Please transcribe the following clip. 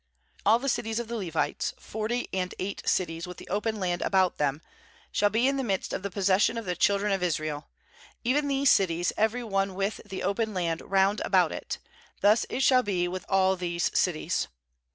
^All the cities of the Levites — forty and eight cities with the open land about them — shall be in the midst of the possession of the children of Israel, ^even these cities, every one with the open land round about it; thus it shall be with all these cities.